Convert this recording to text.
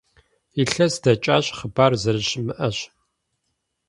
Илъэс дэкӀащ, хъыбар зэрыщымыӀэщ.